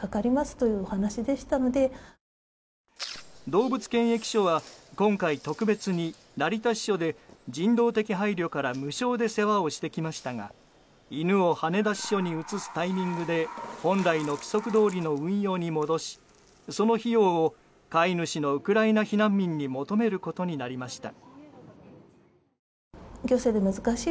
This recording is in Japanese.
動物検疫所は今回特別に成田支所で人道的配慮から無償で世話をしてきましたが犬を羽田支所に移すタイミングで本来の規則どおりの運用に戻し、その費用を飼い主のウクライナ避難民に求めることになりました。